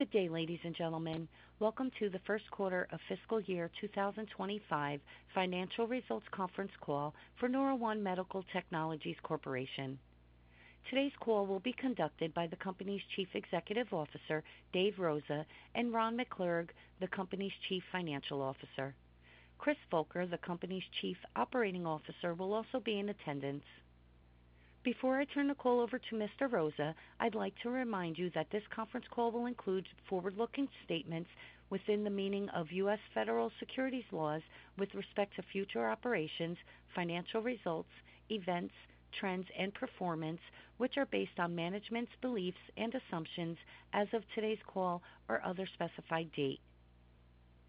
Good day, ladies and gentlemen. Welcome to the first quarter of fiscal year 2025 financial results conference call for NeuroOne Medical Technologies Corporation. Today's call will be conducted by the company's Chief Executive Officer, Dave Rosa, and Ron McClurg, the company's Chief Financial Officer. Chris Volker, the company's Chief Operating Officer, will also be in attendance. Before I turn the call over to Mr. Rosa, I'd like to remind you that this conference call will include forward-looking statements within the meaning of U.S. federal securities laws with respect to future operations, financial results, events, trends, and performance, which are based on management's beliefs and assumptions as of today's call or other specified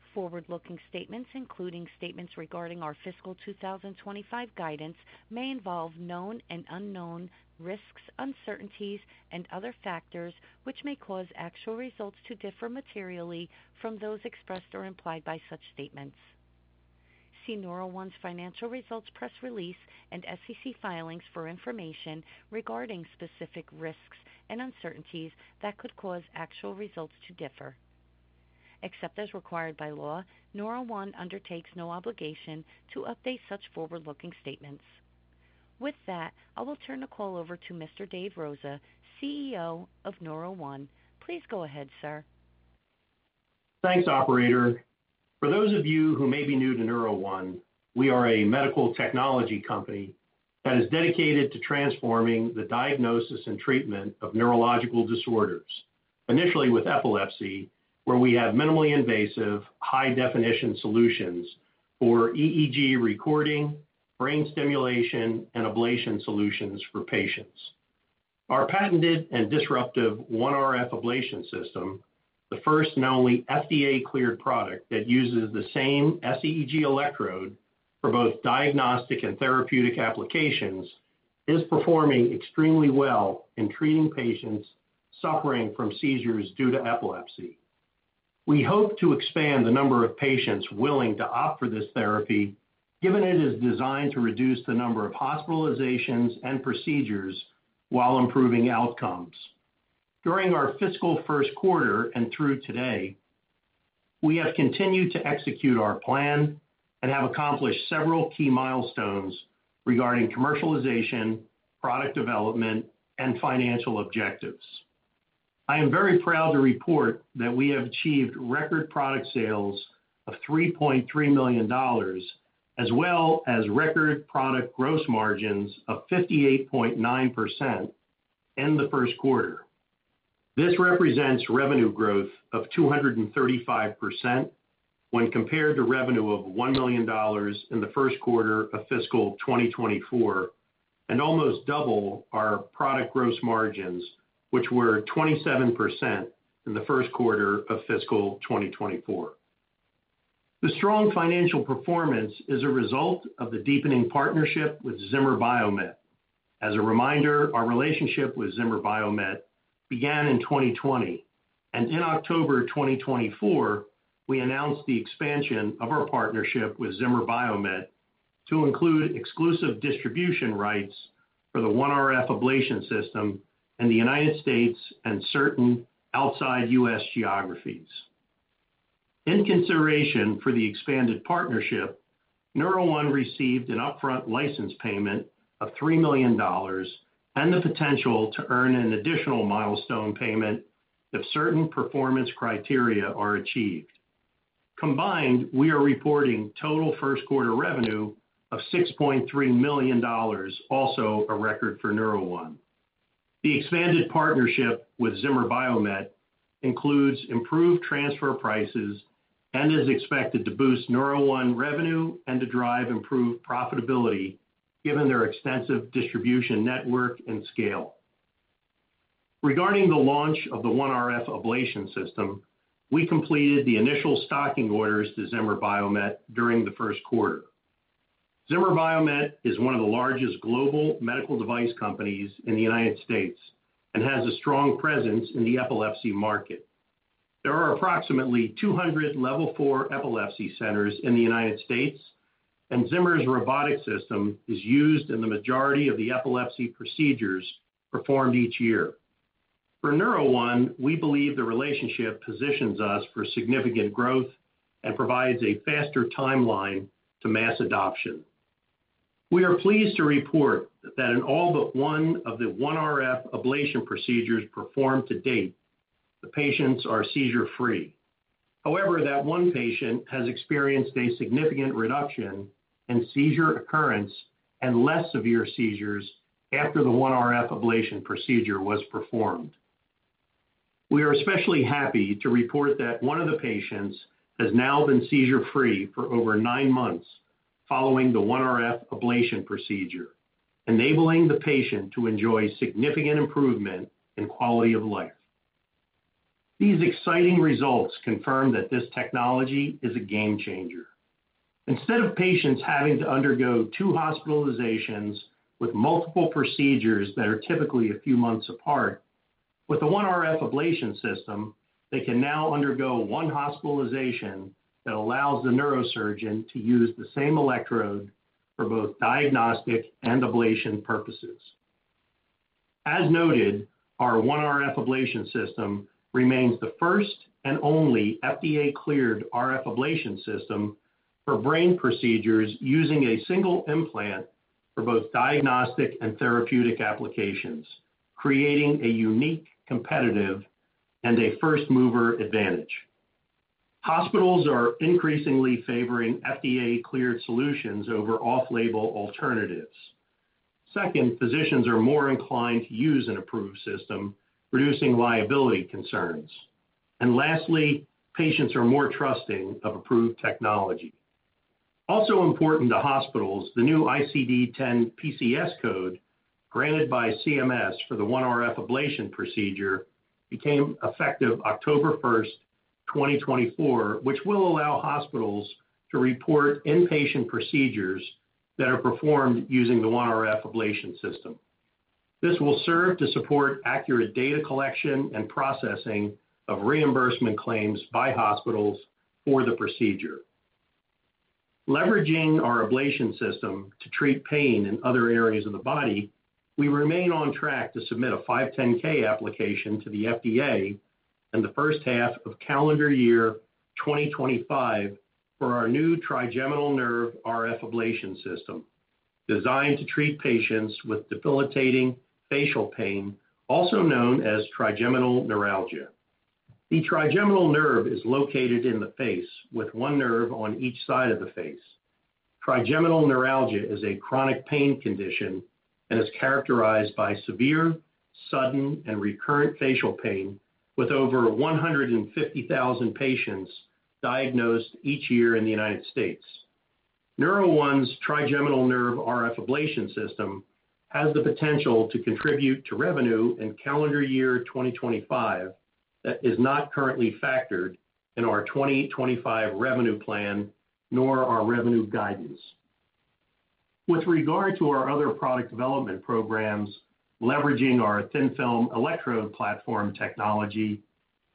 date. Forward-looking statements, including statements regarding our fiscal 2025 guidance, may involve known and unknown risks, uncertainties, and other factors which may cause actual results to differ materially from those expressed or implied by such statements. See NeuroOne's financial results press release and SEC filings for information regarding specific risks and uncertainties that could cause actual results to differ. Except as required by law, NeuroOne undertakes no obligation to update such forward-looking statements. With that, I will turn the call over to Mr. Dave Rosa, CEO of NeuroOne. Please go ahead, sir. Thanks, operator. For those of you who may be new to NeuroOne, we are a medical technology company that is dedicated to transforming the diagnosis and treatment of neurological disorders, initially with epilepsy, where we have minimally invasive, high-definition solutions for EEG recording, brain stimulation, and ablation solutions for patients. Our patented and disruptive OneRF ablation system, the first and only FDA-cleared product that uses the same sEEG electrode for both diagnostic and therapeutic applications, is performing extremely well in treating patients suffering from seizures due to epilepsy. We hope to expand the number of patients willing to opt for this therapy, given it is designed to reduce the number of hospitalizations and procedures while improving outcomes. During our fiscal first quarter and through today, we have continued to execute our plan and have accomplished several key milestones regarding commercialization, product development, and financial objectives. I am very proud to report that we have achieved record product sales of $3.3 million, as well as record product gross margins of 58.9% in the first quarter. This represents revenue growth of 235% when compared to revenue of $1 million in the first quarter of fiscal 2024, and almost double our product gross margins, which were 27% in the first quarter of fiscal 2024. The strong financial performance is a result of the deepening partnership with Zimmer Biomet. As a reminder, our relationship with Zimmer Biomet began in 2020, and in October 2024, we announced the expansion of our partnership with Zimmer Biomet to include exclusive distribution rights for the OneRF ablation system in the United States and certain outside U.S. geographies. In consideration for the expanded partnership, NeuroOne received an upfront license payment of $3 million and the potential to earn an additional milestone payment if certain performance criteria are achieved. Combined, we are reporting total first quarter revenue of $6.3 million, also a record for NeuroOne. The expanded partnership with Zimmer Biomet includes improved transfer prices and is expected to boost NeuroOne revenue and to drive improved profitability, given their extensive distribution network and scale. Regarding the launch of the OneRF ablation system, we completed the initial stocking orders to Zimmer Biomet during the first quarter. Zimmer Biomet is one of the largest global medical device companies in the United States and has a strong presence in the epilepsy market. There are approximately 200 Level 4 epilepsy centers in the United States, and Zimmer's robotic system is used in the majority of the epilepsy procedures performed each year. For NeuroOne, we believe the relationship positions us for significant growth and provides a faster timeline to mass adoption. We are pleased to report that in all but one of the OneRF ablation procedures performed to date, the patients are seizure-free. However, that one patient has experienced a significant reduction in seizure occurrence and less severe seizures after the OneRF ablation procedure was performed. We are especially happy to report that one of the patients has now been seizure-free for over nine months following the OneRF ablation procedure, enabling the patient to enjoy significant improvement in quality of life. These exciting results confirm that this technology is a game changer. Instead of patients having to undergo two hospitalizations with multiple procedures that are typically a few months apart, with the OneRF ablation system, they can now undergo one hospitalization that allows the neurosurgeon to use the same electrode for both diagnostic and ablation purposes. As noted, our OneRF ablation system remains the first and only FDA-cleared RF ablation system for brain procedures using a single implant for both diagnostic and therapeutic applications, creating a unique competitive and a first-mover advantage. Hospitals are increasingly favoring FDA-cleared solutions over off-label alternatives. Second, physicians are more inclined to use an approved system, reducing liability concerns. Lastly, patients are more trusting of approved technology. Also important to hospitals, the new ICD-10 PCS code granted by CMS for the OneRF ablation procedure became effective October 1, 2024, which will allow hospitals to report inpatient procedures that are performed using the OneRF ablation system. This will serve to support accurate data collection and processing of reimbursement claims by hospitals for the procedure. Leveraging our ablation system to treat pain in other areas of the body, we remain on track to submit a 510(k) application to the FDA in the first half of calendar year 2025 for our new trigeminal nerve RF ablation system, designed to treat patients with debilitating facial pain, also known as trigeminal neuralgia. The trigeminal nerve is located in the face, with one nerve on each side of the face. Trigeminal neuralgia is a chronic pain condition and is characterized by severe, sudden, and recurrent facial pain, with over 150,000 patients diagnosed each year in the United States. NeuroOne's trigeminal nerve RF ablation system has the potential to contribute to revenue in calendar year 2025 that is not currently factored in our 2025 revenue plan nor our revenue guidance. With regard to our other product development programs, leveraging our thin-film electrode platform technology,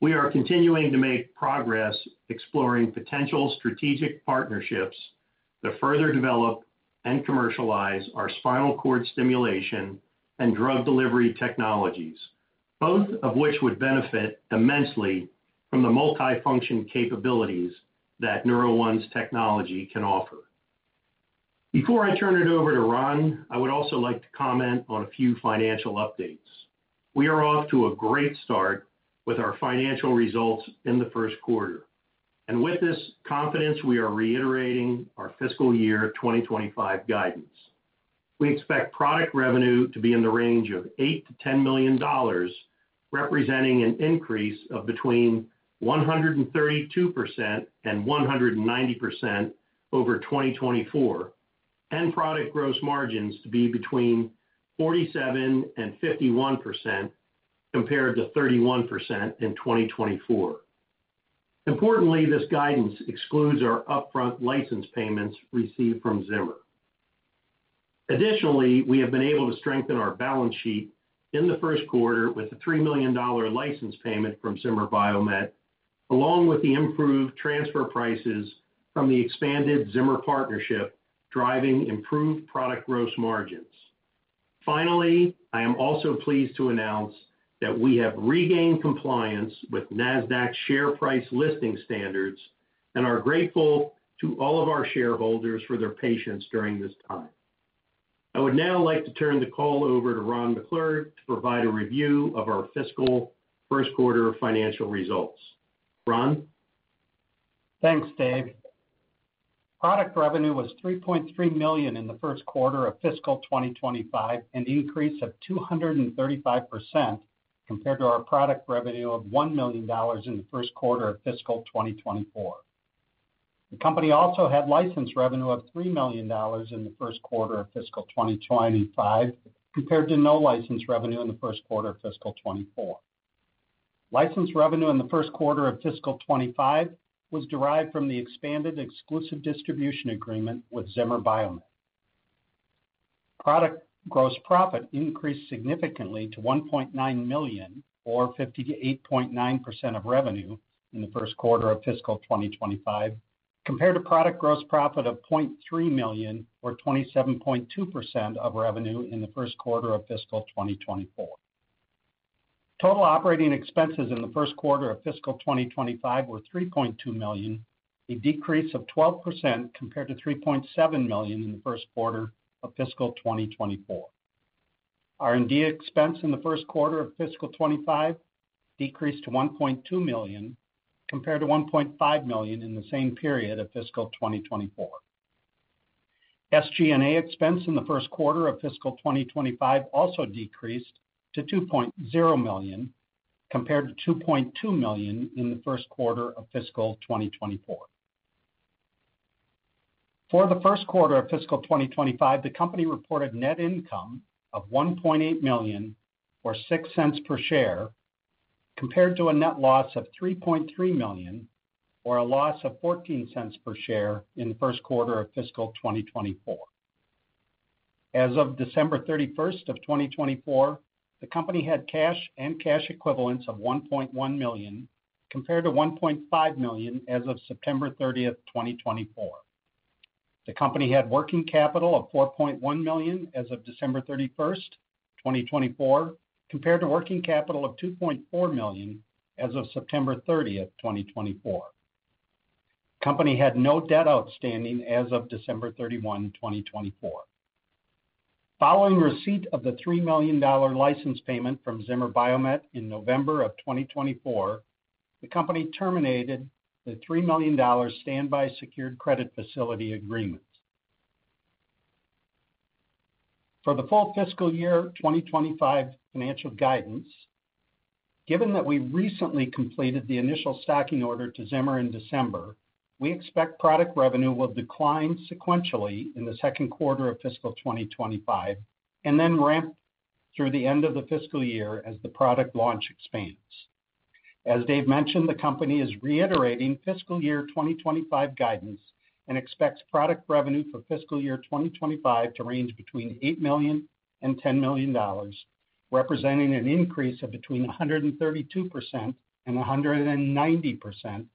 we are continuing to make progress exploring potential strategic partnerships to further develop and commercialize our spinal cord stimulation and drug delivery technologies, both of which would benefit immensely from the multifunction capabilities that NeuroOne's technology can offer. Before I turn it over to Ron, I would also like to comment on a few financial updates. We are off to a great start with our financial results in the first quarter. With this confidence, we are reiterating our fiscal year 2025 guidance. We expect product revenue to be in the range of $8-$10 million, representing an increase of between 132% and 190% over 2024, and product gross margins to be between 47%-51% compared to 31% in 2024. Importantly, this guidance excludes our upfront license payments received from Zimmer. Additionally, we have been able to strengthen our balance sheet in the first quarter with a $3 million license payment from Zimmer Biomet, along with the improved transfer prices from the expanded Zimmer partnership, driving improved product gross margins. Finally, I am also pleased to announce that we have regained compliance with NASDAQ share price listing standards and are grateful to all of our shareholders for their patience during this time. I would now like to turn the call over to Ron McClurg to provide a review of our fiscal first quarter financial results. Ron? Thanks, Dave. Product revenue was $3.3 million in the first quarter of fiscal 2025, an increase of 235% compared to our product revenue of $1 million in the first quarter of fiscal 2024. The company also had license revenue of $3 million in the first quarter of fiscal 2025, compared to no license revenue in the first quarter of fiscal 2024. License revenue in the first quarter of fiscal 2025 was derived from the expanded exclusive distribution agreement with Zimmer Biomet. Product gross profit increased significantly to $1.9 million, or 58.9% of revenue in the first quarter of fiscal 2025, compared to product gross profit of $0.3 million, or 27.2% of revenue in the first quarter of fiscal 2024. Total operating expenses in the first quarter of fiscal 2025 were $3.2 million, a decrease of 12% compared to $3.7 million in the first quarter of fiscal 2024. R&D expense in the first quarter of fiscal 2025 decreased to $1.2 million, compared to $1.5 million in the same period of fiscal 2024. SG&A expense in the first quarter of fiscal 2025 also decreased to $2.0 million, compared to $2.2 million in the first quarter of fiscal 2024. For the first quarter of fiscal 2025, the company reported net income of $1.8 million, or $0.06 per share, compared to a net loss of $3.3 million, or a loss of $0.14 per share in the first quarter of fiscal 2024. As of December 31, 2024, the company had cash and cash equivalents of $1.1 million, compared to $1.5 million as of September 30, 2024. The company had working capital of $4.1 million as of December 31, 2024, compared to working capital of $2.4 million as of September 30, 2024. The company had no debt outstanding as of December 31, 2024. Following receipt of the $3 million license payment from Zimmer Biomet in November of 2024, the company terminated the $3 million standby secured credit facility agreement. For the full fiscal year 2025 financial guidance, given that we recently completed the initial stocking order to Zimmer in December, we expect product revenue will decline sequentially in the second quarter of fiscal 2025 and then ramp through the end of the fiscal year as the product launch expands. As Dave mentioned, the company is reiterating fiscal year 2025 guidance and expects product revenue for fiscal year 2025 to range between $8 million and $10 million, representing an increase of between 132% and 190%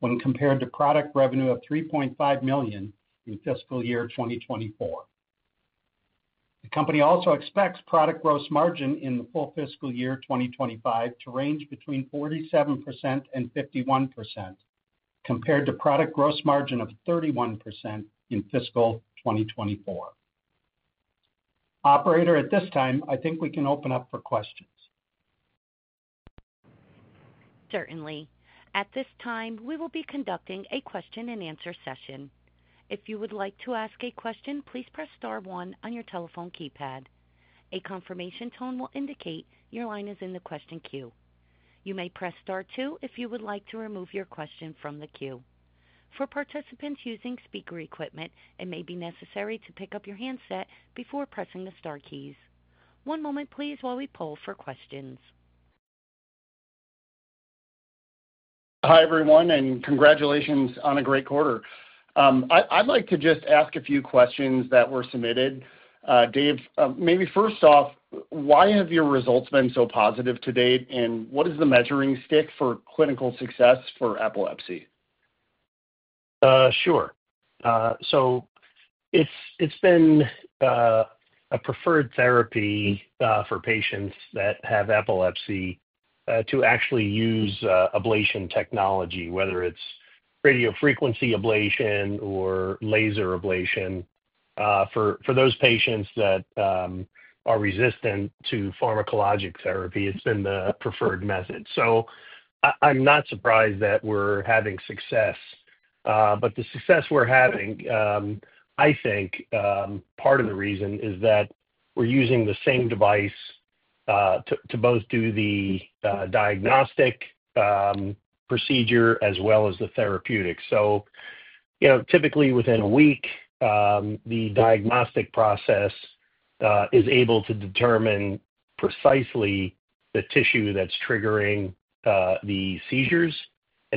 when compared to product revenue of $3.5 million in fiscal year 2024. The company also expects product gross margin in the full fiscal year 2025 to range between 47%-51%, compared to product gross margin of 31% in fiscal 2024. Operator, at this time, I think we can open up for questions. Certainly. At this time, we will be conducting a question-and-answer session. If you would like to ask a question, please press star one on your telephone keypad. A confirmation tone will indicate your line is in the question queue. You may press star two if you would like to remove your question from the queue. For participants using speaker equipment, it may be necessary to pick up your handset before pressing the star keys. One moment, please, while we poll for questions. Hi, everyone, and congratulations on a great quarter. I'd like to just ask a few questions that were submitted. Dave, maybe first off, why have your results been so positive to date, and what is the measuring stick for clinical success for epilepsy? Sure. It has been a preferred therapy for patients that have epilepsy to actually use ablation technology, whether it is radiofrequency ablation or laser ablation. For those patients that are resistant to pharmacologic therapy, it has been the preferred method. I am not surprised that we are having success. The success we are having, I think part of the reason is that we are using the same device to both do the diagnostic procedure as well as the therapeutic. Typically, within a week, the diagnostic process is able to determine precisely the tissue that is triggering the seizures.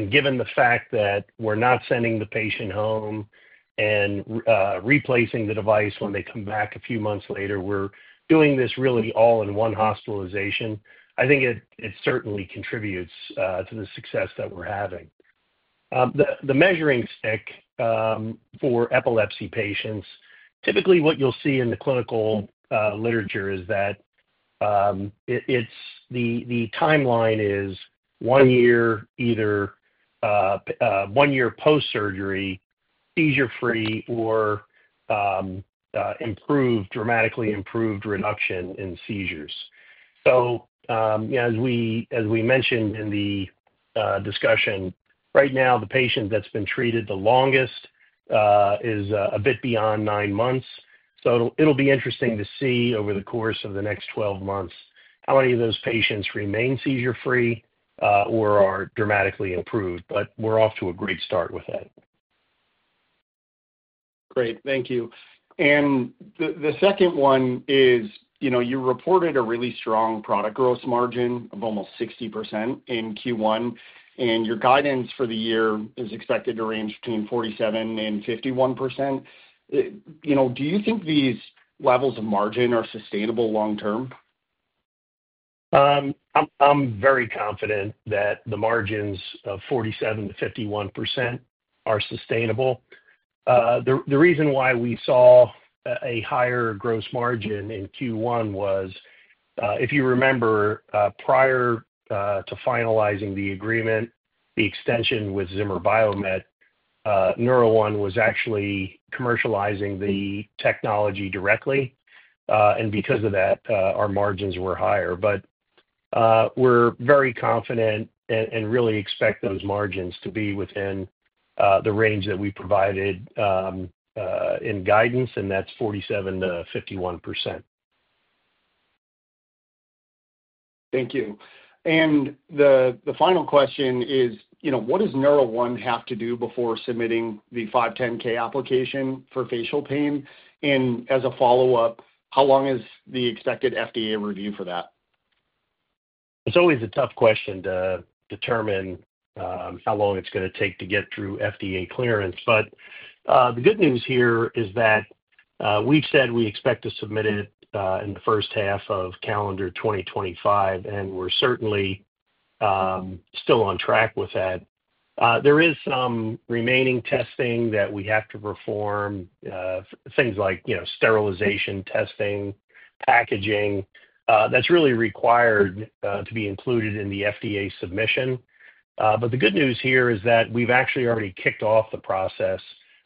Given the fact that we are not sending the patient home and replacing the device when they come back a few months later, we are doing this really all in one hospitalization. I think it certainly contributes to the success that we are having. The measuring stick for epilepsy patients, typically what you'll see in the clinical literature is that the timeline is one year post-surgery, seizure-free, or dramatically improved reduction in seizures. As we mentioned in the discussion, right now, the patient that's been treated the longest is a bit beyond nine months. It will be interesting to see over the course of the next 12 months how many of those patients remain seizure-free or are dramatically improved. We're off to a great start with that. Great. Thank you. The second one is you reported a really strong product gross margin of almost 60% in Q1, and your guidance for the year is expected to range between 47% and 51%. Do you think these levels of margin are sustainable long-term? I'm very confident that the margins of 47%-51% are sustainable. The reason why we saw a higher gross margin in Q1 was, if you remember, prior to finalizing the agreement, the extension with Zimmer Biomet, NeuroOne was actually commercializing the technology directly. And because of that, our margins were higher. I'm very confident and really expect those margins to be within the range that we provided in guidance, and that's 47%-51%. Thank you. The final question is, what does NeuroOne have to do before submitting the 510(k) application for facial pain? As a follow-up, how long is the expected FDA review for that? It's always a tough question to determine how long it's going to take to get through FDA clearance. The good news here is that we've said we expect to submit it in the first half of calendar 2025, and we're certainly still on track with that. There is some remaining testing that we have to perform, things like sterilization testing, packaging. That's really required to be included in the FDA submission. The good news here is that we've actually already kicked off the process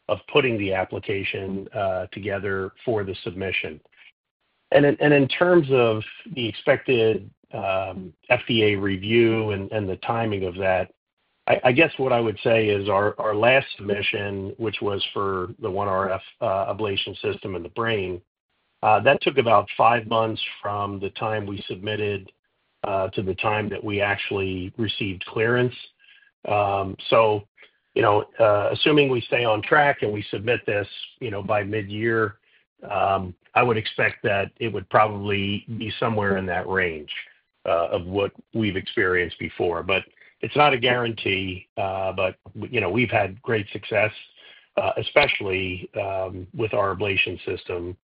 of putting the application together for the submission. In terms of the expected FDA review and the timing of that, I guess what I would say is our last submission, which was for the OneRF ablation system in the brain, that took about five months from the time we submitted to the time that we actually received clearance. Assuming we stay on track and we submit this by mid-year, I would expect that it would probably be somewhere in that range of what we've experienced before. It's not a guarantee, but we've had great success, especially with our ablation system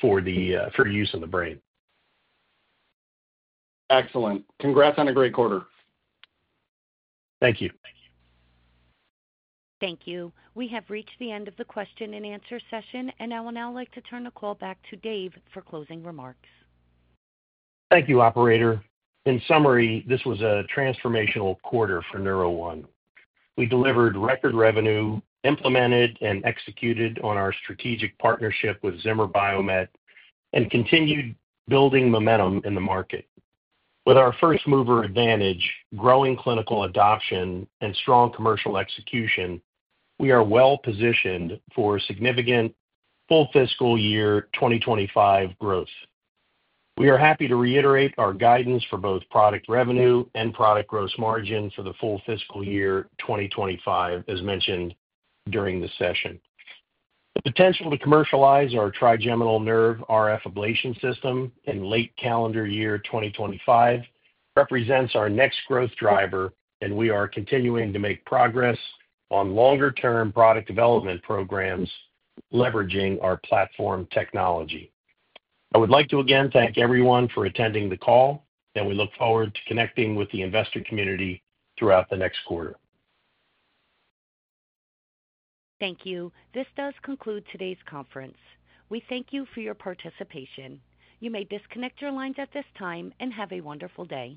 for use in the brain. Excellent. Congrats on a great quarter. Thank you. Thank you. We have reached the end of the question-and-answer session, and I will now like to turn the call back to Dave for closing remarks. Thank you, Operator. In summary, this was a transformational quarter for NeuroOne. We delivered record revenue, implemented and executed on our strategic partnership with Zimmer Biomet, and continued building momentum in the market. With our first-mover advantage, growing clinical adoption, and strong commercial execution, we are well-positioned for significant full fiscal year 2025 growth. We are happy to reiterate our guidance for both product revenue and product gross margin for the full fiscal year 2025, as mentioned during the session. The potential to commercialize our trigeminal nerve RF ablation system in late calendar year 2025 represents our next growth driver, and we are continuing to make progress on longer-term product development programs leveraging our platform technology. I would like to again thank everyone for attending the call, and we look forward to connecting with the investor community throughout the next quarter. Thank you. This does conclude today's conference. We thank you for your participation. You may disconnect your lines at this time and have a wonderful day.